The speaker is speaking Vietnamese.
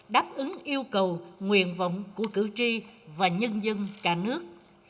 đáp ứng yêu cầu nguyện vọng của cử tri và nhân dân cả nước